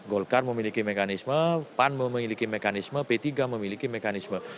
golkar memiliki mekanisme pan memiliki mekanisme p tiga memiliki mekanisme